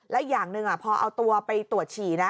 และอย่างหนึ่งพอเอาตัวไปตรวจฉี่นะ